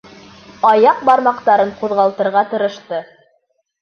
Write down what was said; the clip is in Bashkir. Аяҡ бармаҡтарын ҡуҙғалтырға тырышты.